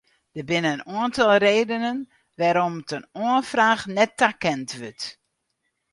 Der binne in oantal redenen wêrom't in oanfraach net takend wurdt.